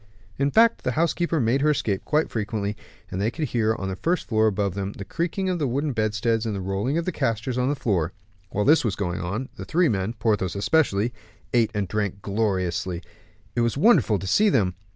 In fact, the housekeeper made her escape quite frequently, and they could hear, on the first floor above them, the creaking of the wooden bedsteads and the rolling of the castors on the floor. While this was going on, the three men, Porthos especially, ate and drank gloriously, it was wonderful to see them.